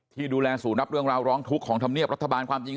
ที่ดูแลศูนย์รับเรื่องราวร้องทุกข์ของธรรมเนียบรัฐบาลความจริง